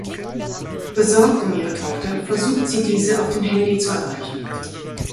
Besorgt um ihre Tochter versucht sie diese auf dem Handy zu erreichen.